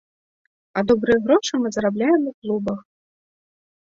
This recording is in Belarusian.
А добрыя грошы мы зарабляем у клубах.